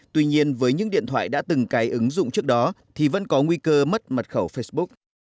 tuy nhiên với những điện thoại đã từng cài ứng dụng trước đó thì vẫn có nguy cơ mất mật khẩu facebook